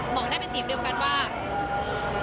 ตอนนี้เป็นครั้งหนึ่งครั้งหนึ่ง